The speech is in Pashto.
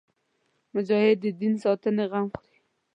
مجاهد د دین د ساتنې غم خوري.